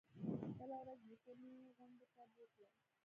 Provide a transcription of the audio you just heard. بله ورځ نيكه مې غونډۍ ته بوتلم.